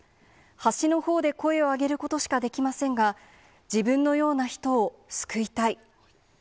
端のほうで声を上げることしかできませんが、自分のような人を救いたい。